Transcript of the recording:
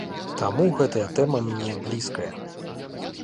Таму гэтая тэма мне блізкая.